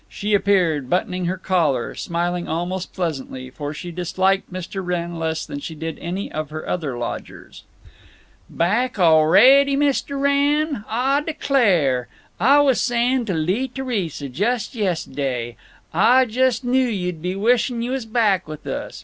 She appeared, buttoning her collar, smiling almost pleasantly, for she disliked Mr. Wrenn less than she did any other of her lodgers. "Back already, Mist' Wrenn? Ah declare, Ah was saying to Lee Theresa just yest'day, Ah just knew you'd be wishing you was back with us.